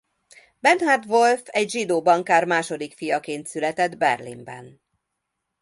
Bernhard Wolff egy zsidó bankár második fiaként született Berlinben.